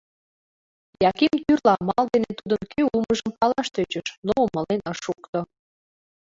Яким тӱрлӧ амал дене тудын кӧ улмыжым палаш тӧчыш, но умылен ыш шукто.